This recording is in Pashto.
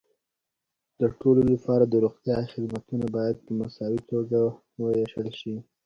د ټولو لپاره د روغتیا خدمتونه باید په مساوي توګه وېشل شي.